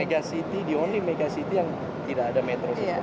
megacity dia orang yang tidak ada metro